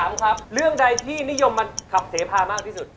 ครับเรื่องใดที่นิยมมาขับเสพามากที่สุด